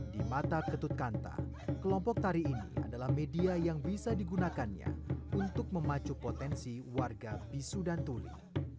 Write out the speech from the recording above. di mata ketut kanta kelompok tari ini adalah media yang bisa digunakannya untuk memacu potensi warga bisu dan tuli